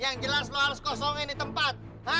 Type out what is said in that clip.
yang jelas lo harus kosongin di tempat